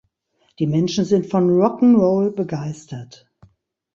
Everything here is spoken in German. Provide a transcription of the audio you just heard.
Die Menschen sind von Rock ’n’ Roll begeistert.